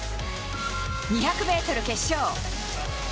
２００ｍ決勝。